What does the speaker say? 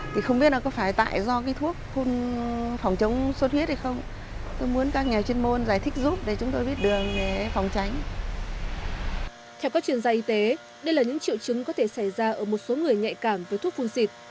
theo các chuyên gia y tế đây là những triệu chứng có thể xảy ra ở một số người nhạy cảm với thuốc phun xịt